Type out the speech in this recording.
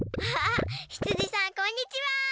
あひつじさんこんにちは！